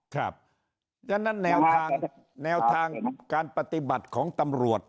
เพราะฉะนั้นแนวทางแนวทางการปฏิบัติของตำรวจ